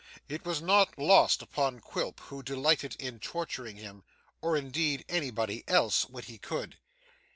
It was not lost upon Quilp, who delighted in torturing him, or indeed anybody else, when he could.